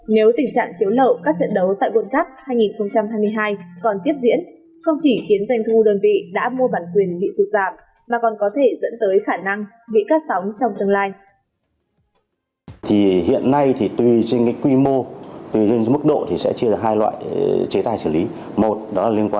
nếu tình trạng chiếu lậu các trận đấu tại world cup hai nghìn hai mươi hai còn tiếp diễn không chỉ khiến doanh thu đơn vị đã mua bản quyền bị sụt giảm mà còn có thể dẫn tới khả năng bị cắt sóng trong tương lai